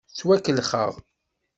Ttwakellxeɣ.